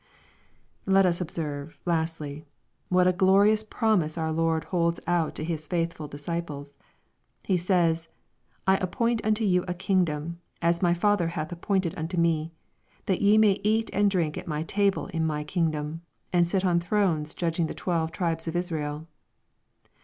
Let us observe, lastly, what a glorious promise our Lord holds out to His faithful disciples. He says, " I appoint unto you a kingdom, as my Father hath ap pointed unto me ; that ye may eat and drink at my table in my kingdom, and sit on thrones judging the twelve tribes of Israel."